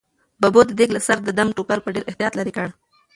ببو د دېګ له سره د دم ټوکر په ډېر احتیاط لیرې کړ.